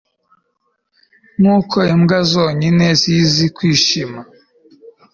nkuko imbwa zonyine zizi kwishima